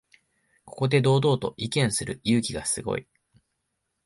ここで堂々と意見する勇気がすごい